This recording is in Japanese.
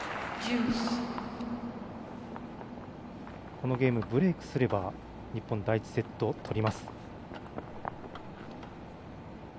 このゲーム、ブレークすれば日本、第１セット取ります。